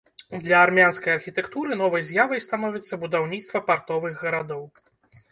Для армянскай архітэктуры новай з'явай становіцца будаўніцтва партовых гарадоў.